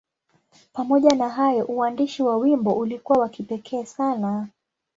Pamoja na hayo, uandishi wa wimbo ulikuwa wa kipekee sana.